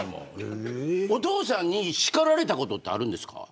お父さんに叱られたことあるんですか。